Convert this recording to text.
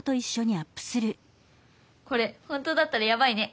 これ本当だったらヤバいね。